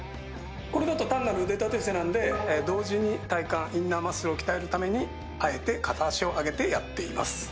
これだと単なる腕立て伏せなんで同時に体幹インナーマッスルを鍛えるためにあえて片足を上げてやっています。